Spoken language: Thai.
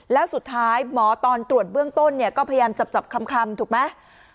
แล้วสุดท้ายหมอตอนตรวจเบื้องต้นเนี่ยก็พยายามจับคลำถูกไหม